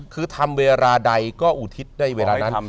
คือทำเวลาใดก็อุทิศได้เวลานั้น